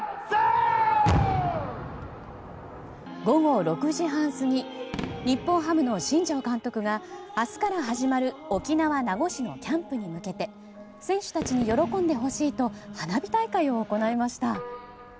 午後６時半過ぎ日本ハムの新庄監督が明日から始まる沖縄・名護市のキャンプに向けて選手たちに喜んでほしいと花火大会を行いました。